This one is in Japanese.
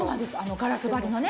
ガラス張りのね。